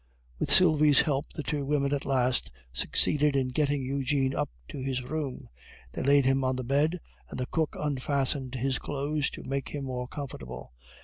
With Sylvie's help the two women at last succeeded in getting Eugene up to his room; they laid him on the bed, and the cook unfastened his clothes to make him more comfortable.